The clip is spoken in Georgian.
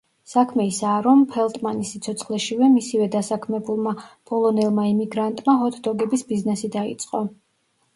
საქმე ისაა, რომ ფელტმანის სიცოცხლეშივე, მისივე დასაქმებულმა პოლონელმა იმიგრანტმა, ჰოთ-დოგების ბიზნესი დაიწყო.